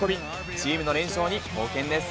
チームの連勝に貢献です。